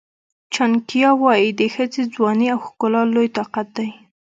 چناکیا وایي د ښځې ځواني او ښکلا لوی طاقت دی.